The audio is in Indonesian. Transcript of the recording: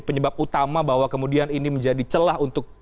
penyebab utama bahwa kemudian ini menjadi celah untuk